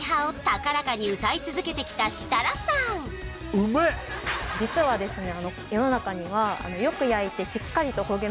うめえっ実はですね